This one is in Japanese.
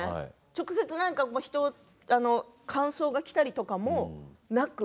直接感想がきたりとかもなく？